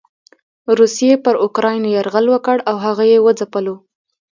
روسيې پر اوکراين يرغل وکړ او هغه یې وځپلو.